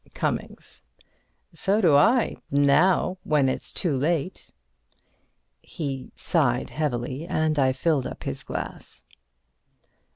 Cummings: So do I—now, when it's too late. (He sighed heavily, and I filled up his glass.)